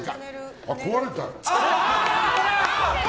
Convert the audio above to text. あっ、壊れた。